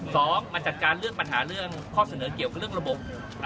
สองมาจัดการเรื่องปัญหาเรื่องข้อเสนอเกี่ยวกับเรื่องระบบ